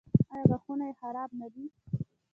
ایا غاښونه یې خراب نه دي؟